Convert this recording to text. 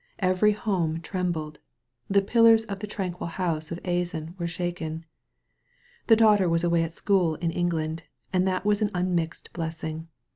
Every home trembled. The pillars of the tranquil house of Azan were shaken. The daughter was away at school in England, and that was an unmixed blessing.